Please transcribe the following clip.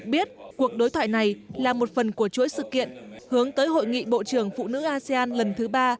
biết cuộc đối thoại này là một phần của chuỗi sự kiện hướng tới hội nghị bộ trưởng phụ nữ asean lần thứ ba